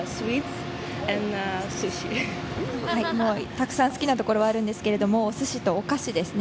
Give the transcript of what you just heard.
たくさん好きなところはありますがすしとお菓子ですね。